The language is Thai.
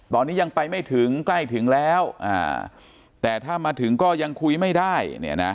ตอนนี้ยังไปไม่ถึงใกล้ถึงแล้วแต่ถ้ามาถึงก็ยังคุยไม่ได้